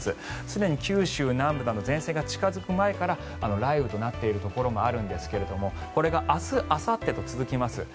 すでに九州南部など前線が近付く前から雷雨となっているところもあるんですがこれが明日あさってと続きます。